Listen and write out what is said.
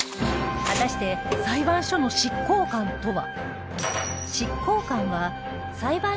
果たして裁判所の執行官とは？